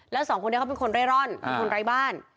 แล้วสองคนนี้เขาเป็นคนเร่ร่อนเป็นคนไร้บ้าน